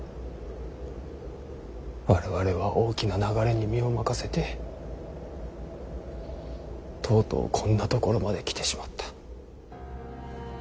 我々は大きな流れに身を任せてとうとうこんなところまで来てしまった。